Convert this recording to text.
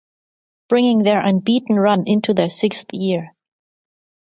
Bringing their unbeaten run into their sixth year.